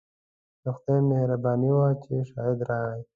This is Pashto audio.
د خدای مهرباني وه چې شاهد راغی.